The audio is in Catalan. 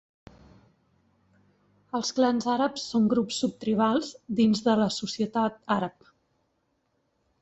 Els clans àrabs són grups subtribals dins de la societat àrab.